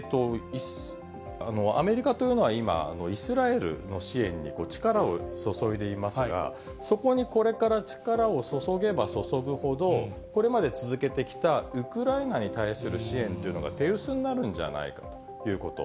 アメリカというのは今、イスラエルの支援に力を注いでいますが、そこにこれから力を注げば注ぐほど、これまで続けてきたウクライナに対する支援というのが手薄になるんじゃないかということ。